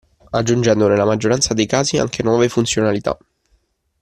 Aggiungendo nella maggioranza dei casi anche nuove funzionalità.